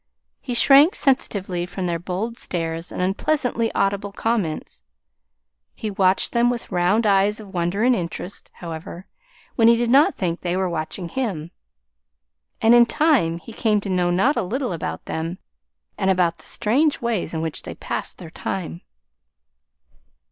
He shrank sensitively from their bold stares and unpleasantly audible comments. He watched them with round eyes of wonder and interest, however, when he did not think they were watching him. And in time he came to know not a little about them and about the strange ways in which they passed their time.